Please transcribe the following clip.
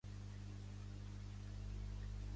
És adjacent al riu Salmon.